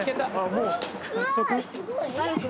もう早速？